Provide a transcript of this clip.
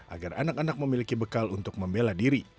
agar anak anak memiliki bekal untuk membela diri